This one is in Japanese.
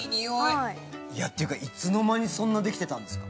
いやっていうかいつの間にそんなできてたんですか。